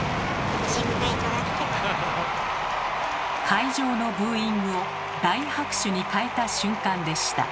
会場のブーイングを大拍手に変えた瞬間でした。